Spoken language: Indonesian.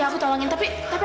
eh salah gua apa